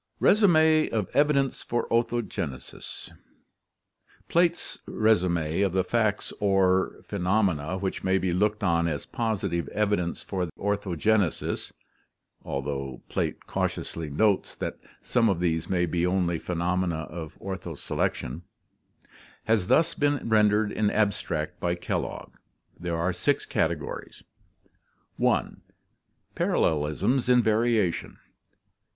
Resume of Evidence for Orthogenesis Plate's resum6 of the facts or phenomena which may be looked on as positive evidence for orthogenesis (although Plate cautiously notes that some of these may be only phenomena of ortho selection) has thus been rendered in abstract by Kellogg: There are six categories: i. Parallelisms in Variation.